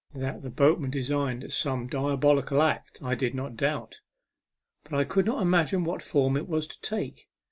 That the boatman designed some diabolical act I did not doubt, but I could not imagine what form it was to take.